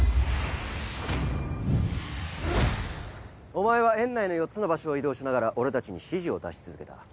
お前は園内の４つの場所を移動しながら俺たちに指示を出し続けた。